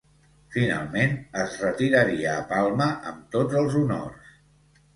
Finalment es retiraria a Palma amb tots els honors.